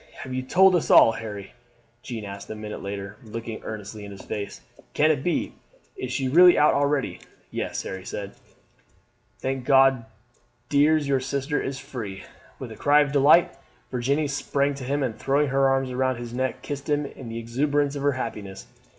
"Have you told us all, Harry?" Jeanne asked a minute later, looking earnestly in his face. "Can it be? Is she really out already?" "Yes," Harry said, "thank God, dears, your sister is free." With a cry of delight Virginie sprang to him, and throwing her arms round his neck, kissed him in the exuberance of her happiness.